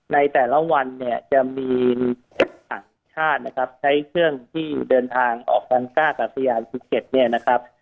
ในแต่ละวันเนี่ยจะมีต่างชาตินะครับใช้เครื่องที่เดินทางออกทางก้ากับสยานภูเก็ตเนี่ยนะครับ